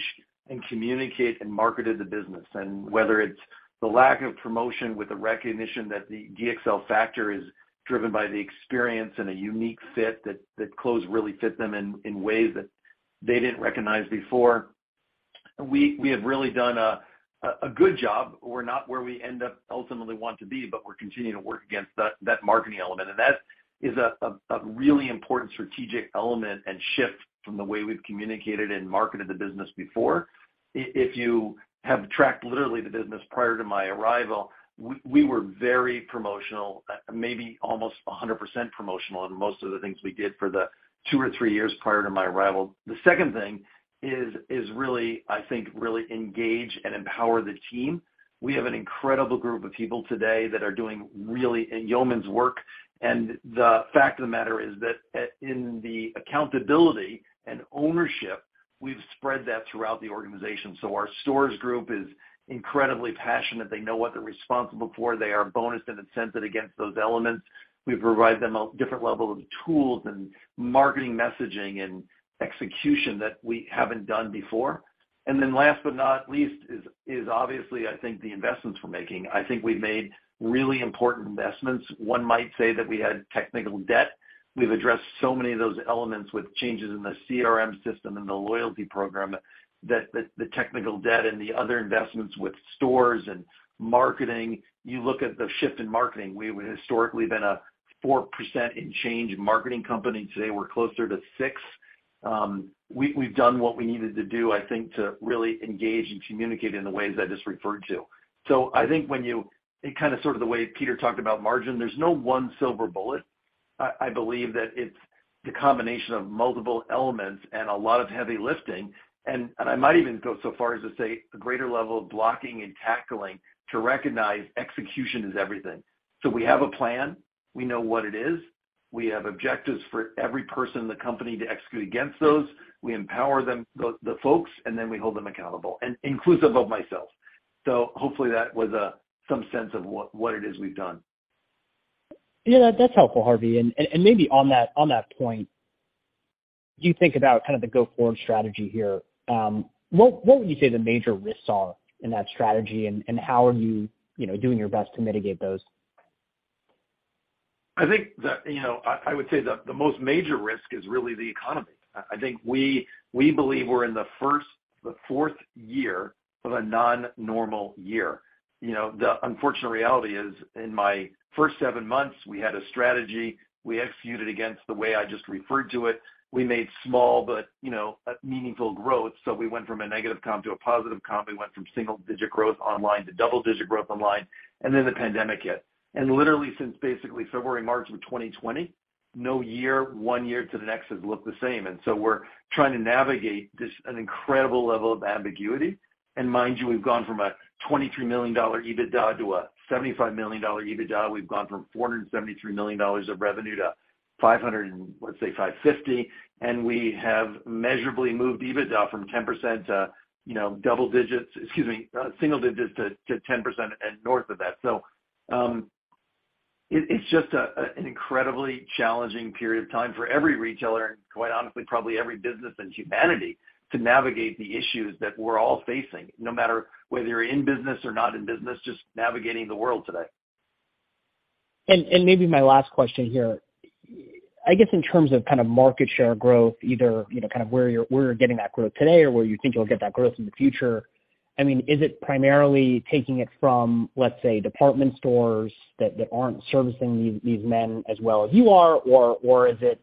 and communicate and marketed the business. Whether it's the lack of promotion with the recognition that The DXL Factor is driven by the experience and a unique fit, that clothes really fit them in ways that they didn't recognize before, we have really done a good job. We're not where we end up ultimately want to be, we're continuing to work against that marketing element. That is a really important strategic element and shift from the way we've communicated and marketed the business before. If you have tracked literally the business prior to my arrival, we were very promotional, maybe almost 100% promotional in most of the things we did for the 2 or 3 years prior to my arrival. The second thing is really, I think, really engage and empower the team. We have an incredible group of people today that are doing really a yeoman's work. The fact of the matter is that in the accountability and ownership, we've spread that throughout the organization. Our stores group is incredibly passionate. They know what they're responsible for. They are bonused and incented against those elements. We've provided them a different level of tools and marketing, messaging, and execution that we haven't done before. Last but not least is obviously, I think, the investments we're making. I think we've made really important investments. One might say that we had technical debt. We've addressed so many of those elements with changes in the CRM system and the loyalty program, that the technical debt and the other investments with stores and marketing. You look at the shift in marketing, we were historically been a 4% in change marketing company. Today, we're closer to 6%. We've done what we needed to do, I think, to really engage and communicate in the ways I just referred to. I think when you and kind of sort of the way Peter talked about margin, there's no one silver bullet. I believe that it's the combination of multiple elements and a lot of heavy lifting. I might even go so far as to say a greater level of blocking and tackling to recognize execution is everything. We have a plan. We know what it is. We have objectives for every person in the company to execute against those. We empower them, the folks, and then we hold them accountable, and inclusive of myself. Hopefully that was some sense of what it is we've done. Yeah, that's helpful, Harvey. Maybe on that point, do you think about kind of the go-forward strategy here? What would you say the major risks are in that strategy, and how are you know, doing your best to mitigate those? I think that, you know, I would say the most major risk is really the economy. I think we believe we're in the fourth year of a non-normal year. You know, the unfortunate reality is, in my first seven months, we had a strategy. We executed against the way I just referred to it. We made small but, you know, a meaningful growth. We went from a negative comp to a positive comp. We went from single-digit growth online to double-digit growth online. The pandemic hit. Literally since basically February, March of 2020, no year, one year to the next, has looked the same. We're trying to navigate this, an incredible level of ambiguity. Mind you, we've gone from a $23 million EBITDA to a $75 million EBITDA. We've gone from $473 million of revenue to $500 and, let's say, 550, and we have measurably moved EBITDA from 10% to, you know, double digits, excuse me, single digits to 10% and north of that. It's just an incredibly challenging period of time for every retailer, and quite honestly, probably every business and humanity, to navigate the issues that we're all facing, no matter whether you're in business or not in business, just navigating the world today. Maybe my last question here. I guess in terms of kind of market share growth, either, you know, kind of where you're getting that growth today or where you think you'll get that growth in the future, I mean, is it primarily taking it from, let's say, department stores that aren't servicing these men as well as you are? Or is it,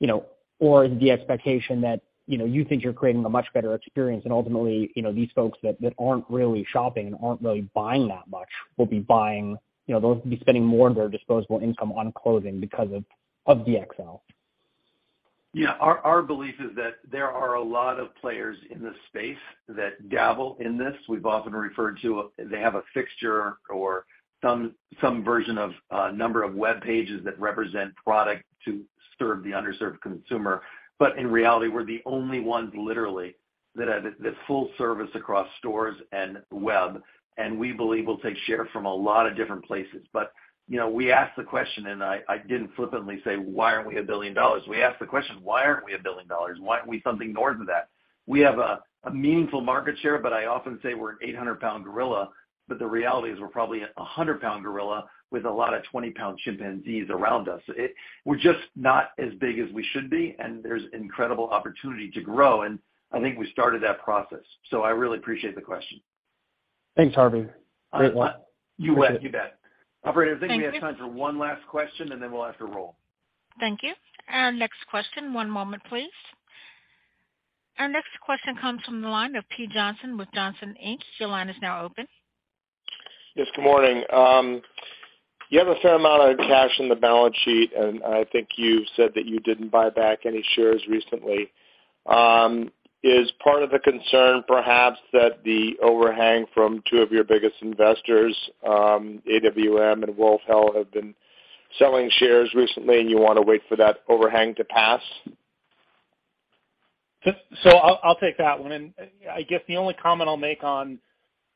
you know, or is the expectation that, you know, you think you're creating a much better experience, and ultimately, you know, these folks that aren't really shopping and aren't really buying that much will be buying, you know, they'll be spending more of their disposable income on clothing because of DXL? Yeah. Our belief is that there are a lot of players in this space that dabble in this. We've often referred to They have a fixture or some version of a number of web pages that represent product to serve the underserved consumer. In reality, we're the only ones, literally, that have the full service across stores and web, and we believe we'll take share from a lot of different places. You know, we asked the question, and I didn't flippantly say: Why aren't we a $1 billion? We asked the question: Why aren't we a $1 billion? Why aren't we something north of that? We have a meaningful market share, but I often say we're an 800 pound gorilla, but the reality is we're probably a 100 pound gorilla with a lot of 20 pound chimpanzees around us. We're just not as big as we should be, and there's incredible opportunity to grow, and I think we started that process. I really appreciate the question. Thanks, Harvey. Great one. You bet. Operator, I think we have time for one last question, and then we'll have to roll. Thank you. Our next question, one moment, please. Our next question comes from the line of Pete Johnson with Johnson Inc. Your line is now open. Yes, good morning. You have a fair amount of cash in the balance sheet, and I think you said that you didn't buy back any shares recently. Is part of the concern perhaps that the overhang from two of your biggest investors, AWM and Wynnefield Capital, have been selling shares recently, and you want to wait for that overhang to pass? I'll take that one. I guess the only comment I'll make on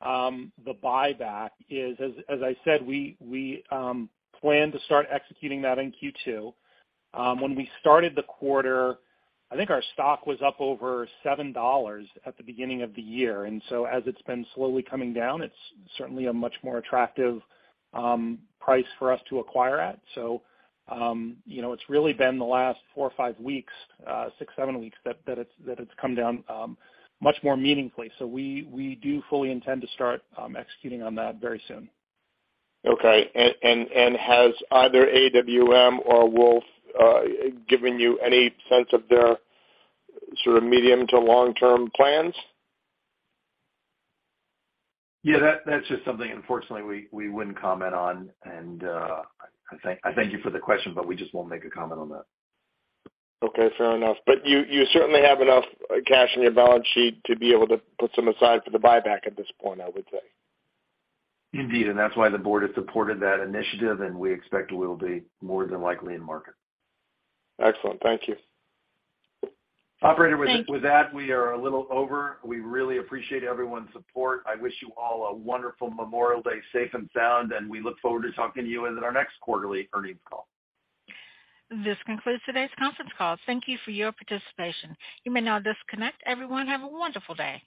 the buyback is, as I said, we plan to start executing that in Q2. When we started the quarter, I think our stock was up over $7 at the beginning of the year, as it's been slowly coming down, it's certainly a much more attractive price for us to acquire at. You know, it's really been the last four or five weeks, six, seven weeks, that it's come down much more meaningfully. We do fully intend to start executing on that very soon. Okay. Has either AWM or Wolf given you any sense of their sort of medium to long-term plans? Yeah, that's just something unfortunately, we wouldn't comment on. I thank you for the question, but we just won't make a comment on that. Okay, fair enough. You certainly have enough cash in your balance sheet to be able to put some aside for the buyback at this point, I would say. Indeed, that's why the board has supported that initiative, and we expect it will be more than likely in market. Excellent. Thank you. Operator, with that, we are a little over. We really appreciate everyone's support. I wish you all a wonderful Memorial Day, safe and sound. We look forward to talking to you in our next quarterly earnings call. This concludes today's conference call. Thank you for your participation. You may now disconnect. Everyone, have a wonderful day.